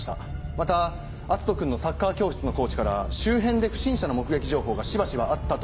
また篤斗君のサッカー教室のコーチから周辺で不審者の目撃情報がしばしばあったとの情報あり。